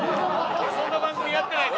俺そんな番組やってないぞ。